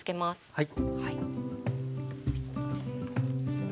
はい。